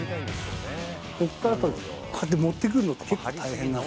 ここからやっぱり、こうやって持ってくるのって、結構大変。